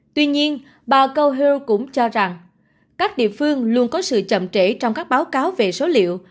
tuy nhiên bà conher cũng cho rằng các địa phương luôn có sự chậm trễ trong các báo cáo về số liệu